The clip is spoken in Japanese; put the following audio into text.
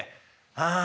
ああ。